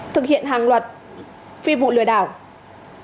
thực hiện hàng luật phi vụ lừa đảo